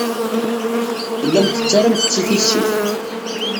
Tellamt tettarramt-tt i tissit.